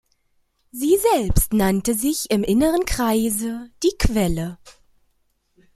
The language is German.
Sie selbst nannte sich im inneren Kreise «die Quelle».